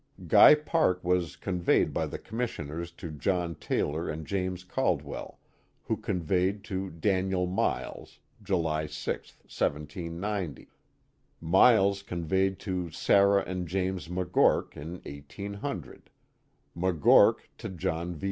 Guy Park was conveyed by the commissioners to John Taylor and James Caldwell, who conveyed to Daniel Miles, July 6, 1 790; Miles conveyed to Sarah and James McGorck in 1800; McGorck to John V.